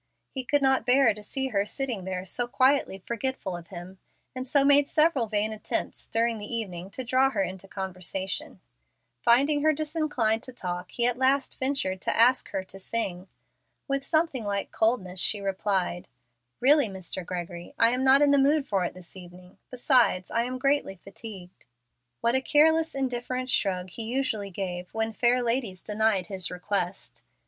He could not bear to see her sitting there so quietly forgetful of him, and so made several vain attempts during the evening to draw her into conversation. Finding her disinclined to talk, he at last ventured to ask her to sing. With something like coldness she replied, "Really, Mr. Gregory, I am not in the mood for it this evening; besides, I am greatly fatigued." What a careless, indifferent shrug he usually gave when fair ladies denied his requests!